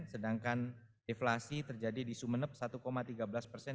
sedangkan deflasi terjadi di sumeneb satu tiga belas persen